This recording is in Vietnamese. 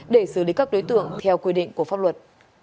để xử lý các đối tượng theo quy định của pháp luật